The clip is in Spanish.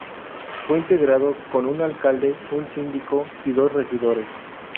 Fue integrado con un alcalde, un síndico y dos regidores.